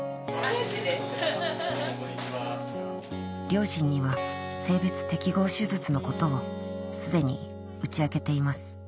両親には性別適合手術のことを既に打ち明けています